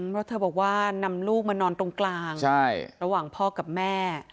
เพราะเธอบอกว่านำลูกมานอนตรงกลางระหว่างพ่อกับแม่